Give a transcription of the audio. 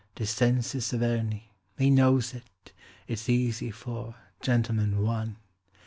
Descensus Averni he knows it; It's easy for "Gentleman, One".